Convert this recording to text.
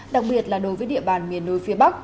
đặc biệt là đối với địa bàn miền núi phía bắc